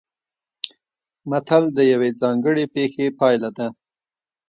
متل د یوې ځانګړې پېښې پایله ده